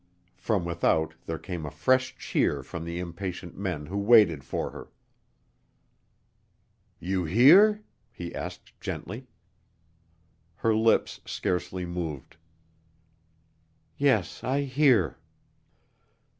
From without there came a fresh cheer from the impatient men who waited for her. "You hear?" he asked gently. Her lips scarcely moved. "Yes, I hear."